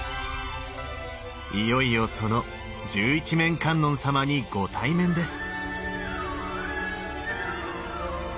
いよいよその十一面観音様にご対面です。